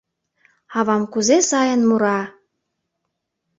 Авам кузе сайын мура!..»